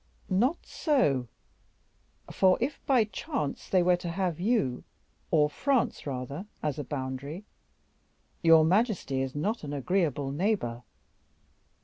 "Not so; for if, by chance, they were to have you, or France rather, as a boundary, your majesty is not an agreeable neighbor.